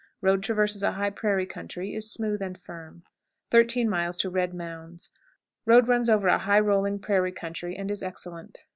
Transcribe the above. Road traverses a high prairie country, is smooth and firm. 13. Red Mounds. Road runs over a high rolling prairie country, and is excellent.